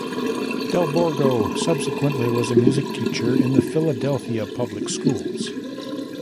Del Borgo subsequently was a music teacher in the Philadelphia public schools.